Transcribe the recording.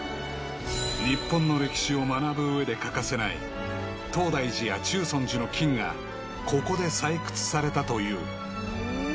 ［日本の歴史を学ぶ上で欠かせない東大寺や中尊寺の金がここで採掘されたという］